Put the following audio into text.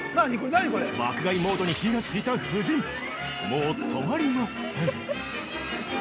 爆買いモードに火がついた夫人もう止まりません。